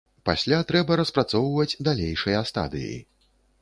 Пасля трэба распрацоўваць далейшыя стадыі.